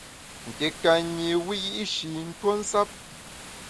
Nké ka nyi wiyi’shi ntuo nsap.